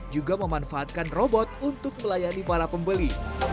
juga memanfaatkan robot untuk melayani para pembeli